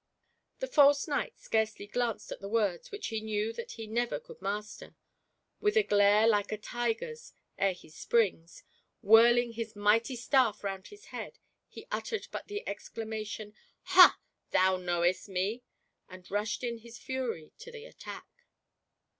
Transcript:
The false knight scarcely glanced at the words which he knew that he never could master; with a glare like a tiger's ere he springs, whirling his mighty staff round his head, he uttered but the exclamation, " Ha ! thou knowest me !" and rushed in his fury to the attack.